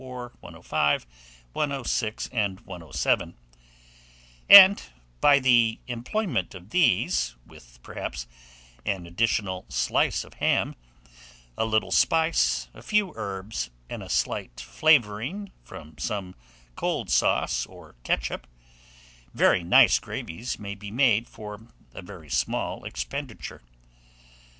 104, 105, 106, and 107); and, by the employment of these, with, perhaps, an additional slice of ham, a little spice, a few herbs, and a slight flavouring from some cold sauce or ketchup, very nice gravies may be made for a very small expenditure.